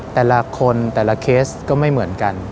แต่ละคนแต่ละเคสก็ไม่เหมือนกัน